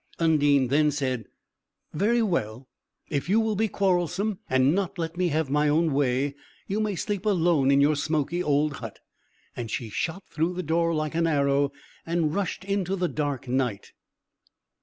Undine then said: "Very well, if you will be quarrelsome and not let me have my own way, you may sleep alone in your smoky old hut!" and she shot through the door like an arrow, and rushed into the dark night.